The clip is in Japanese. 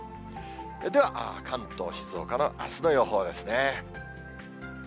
では、関東、静岡のあすの予報ですね。